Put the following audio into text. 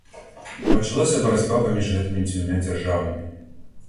Пачалася барацьба паміж гэтымі дзвюма дзяржавамі.